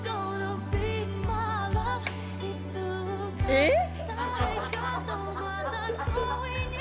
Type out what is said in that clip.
えっ！